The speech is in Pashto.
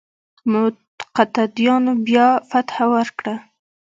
مقتديانو بيا فتحه ورکړه.